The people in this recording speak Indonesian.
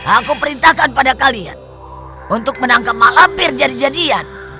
aku perintahkan pada kalian untuk menangkap malam biar jadi jadian